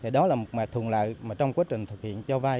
đó là một mạch thùng lạc trong quá trình thực hiện cho vai